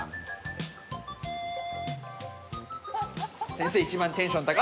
先生一番テンション高い。